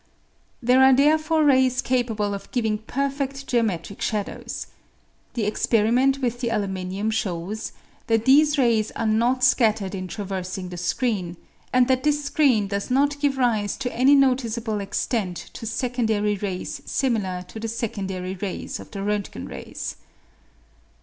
There are therefore rays capable of giving perfed geometric shadows. The experiment with the aluminium shows that these rays are not scattered in traversing the screen, and that this screen does not give rise to any noticeable extent to secondary rays similar to the secondary rays of the Rontgen rays.